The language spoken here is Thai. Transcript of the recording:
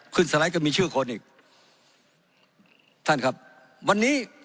สไลด์ก็มีชื่อคนอีกท่านครับวันนี้